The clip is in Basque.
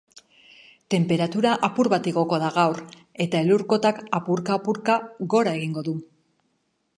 Tenperatura apur bat igoko da gaur eta elur-kotak apurka-apurka gora egingo du.